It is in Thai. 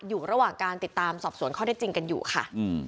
อยู่ระหว่างการติดตามสอบสวนข้อได้จริงกันอยู่ค่ะ